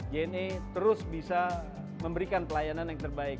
jne terus bisa memberikan pelayanan yang terbaik